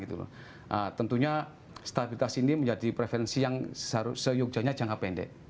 tentunya stabilitas ini menjadi preferensi yang seyogjanya jangka pendek